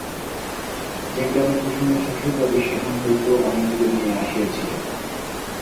যে গ্রামে কুসুমের শ্বশুরবাড়ি সেখান হইতেও অনেকগুলি মেয়ে আসিয়াছিল।